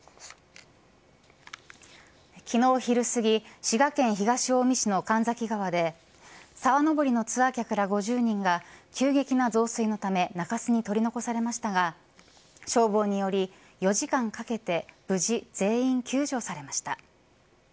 昨日昼すぎ滋賀県東近江市の神埼川で沢登りのツアー客ら５０人が急激な増水のため中州に取り残されましたが消防により、４時間かけて無事全員救助されました。